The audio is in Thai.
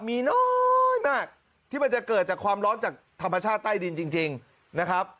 มีน้อยมากที่มันจะเกิดจากความร้อนจากธรรมชาติใต้ดินจริงนะครับ